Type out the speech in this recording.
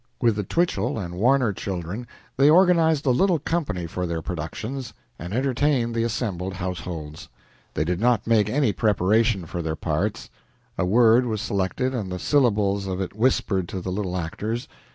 With the Twichell and Warner children they organized a little company for their productions, and entertained the assembled households. They did not make any preparation for their parts. A word was selected and the syllables of it whispered to the little actors.